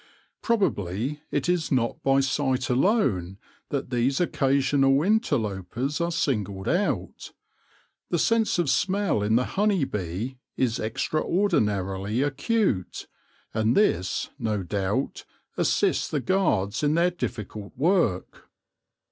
Probably it is not by sight alone that these occasional interlopers are singled out. The sense of smell in the honey bee is extraordinarily acute, and this, no doubt, assists the guards in their difficult work.